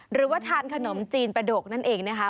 หรือว่าทานขนมจีนประดกนั่นเองนะคะ